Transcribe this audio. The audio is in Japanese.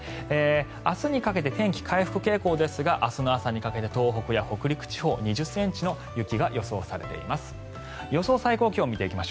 明日にかけて天気、回復傾向ですが明日の朝にかけて東北や北陸地方２０ｃｍの雪が予想されています。